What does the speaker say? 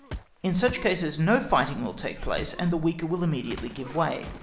In such cases no fighting will take place, and the weaker will immediately give way.